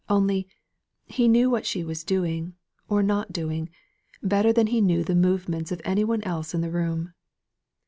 Only, he knew what she was doing or not doing better than he knew the movements of any one else in the room.